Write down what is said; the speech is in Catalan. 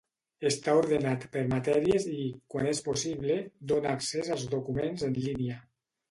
Està ordenat per matèries i, quan és possible, dona accés als documents en línia.